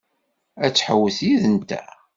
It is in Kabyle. Ad tḥewwes yid-nteɣ?